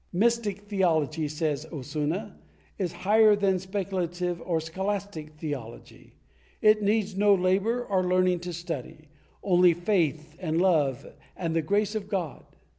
Mystic theology, says Osuna, is higher than specu lative or scholastic theology; it needs no labor or learning or study, only faith and love and the grace of God.'